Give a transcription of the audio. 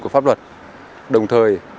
của pháp luật đồng thời